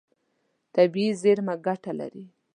طبیعي زیرمه ګټه لري.